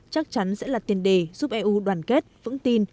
chắc chắn sẽ là tiền đề giúp eu đoàn kết vững tin